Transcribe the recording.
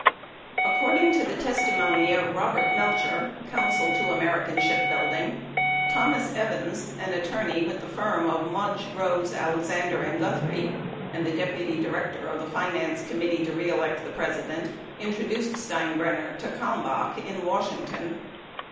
According to the testimony of Robert Melcher, counsel to American Ship Building, Thomas Evans, an attorney with the firm of Mudge, Rose, Alexander and Guthrie and the deputy director of the Finance Committee to Re Elect the President, introduced Steinbrenner to Kalmbach in Washington.